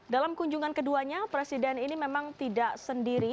dalam kunjungan keduanya presiden ini memang tidak sendiri